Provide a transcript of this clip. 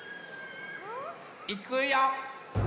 いくよ！